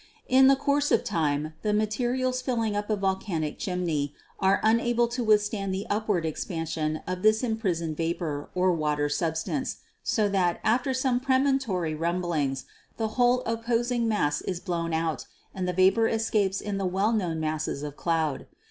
In the course of time the materials filling up a volcanic chimney are unable to withstand the upward expansion of this imprisoned vapor or water substance, so that, after some premonitory rumblings, the whole opposing mass is blown out and the vapor escapes in the well known masses of cloud.